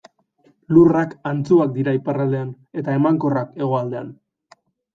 Lurrak antzuak dira iparraldean eta emankorrak hegoaldean.